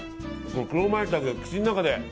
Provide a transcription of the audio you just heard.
黒マイタケが口の中で。